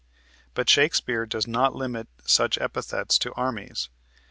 But Shakespeare does not limit such epithets to armies.